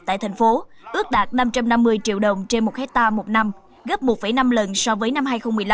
tại thành phố ước đạt năm trăm năm mươi triệu đồng trên một hectare một năm gấp một năm lần so với năm hai nghìn một mươi năm